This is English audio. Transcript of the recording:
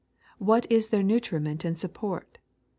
What is their nutriment and support?